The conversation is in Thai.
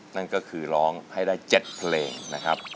นั่นก็คือร้องให้ได้๗เพลงนะครับ